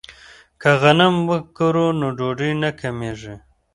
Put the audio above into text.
که غنم وکرو نو ډوډۍ نه کمیږي.